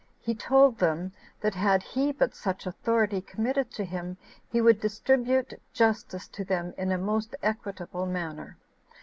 He told them, that had he but such authority committed to him, he would distribute justice to them in a most equitable manner.